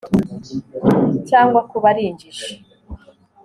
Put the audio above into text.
cyangwa kuba ari injiji